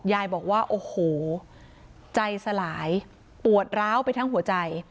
ยายบอกว่าโอ้โหใจสลายปวดร้าวไปทั้งหัวใจ